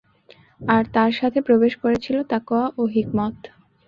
আর তার সাথে প্রবেশ করেছিল তাকওয়া ও হিকমত।